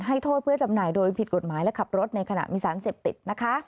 โทษเพื่อจำหน่ายโดยผิดกฎหมายและขับรถในขณะมีสารเสพติดนะคะ